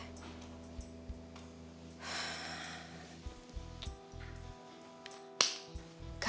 hubungan aku juga jalan sama tristan ya